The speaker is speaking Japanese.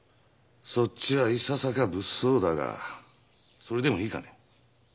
そっちはいささか物騒だがそれでもいいかね？